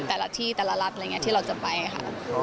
แต่ละที่แต่ละรัฐอะไรอย่างนี้ที่เราจะไปค่ะ